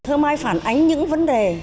thơ mai phản ánh những vấn đề